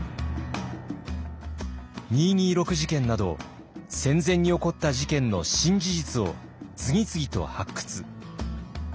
二・二六事件など戦前に起こった事件の新事実を次々と発掘。